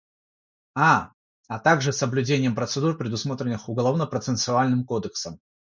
А., а также соблюдением процедур, предусмотренных уголовно-процессуальным законодательством.